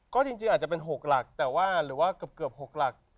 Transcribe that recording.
ก็จริงอาจจะเป็น๖หลักแต่ว่าหรือว่าเกือบ๖หลัก